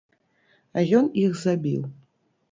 А ён іх забіў.